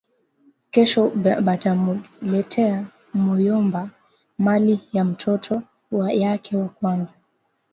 Kesho batamuletea muyomba mali ya mtoto yake wa kwanza